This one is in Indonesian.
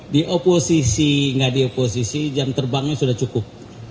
di oposisi nggak di oposisi jam terbangnya sudah cukup